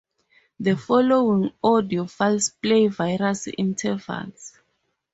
The following audio files play various intervals.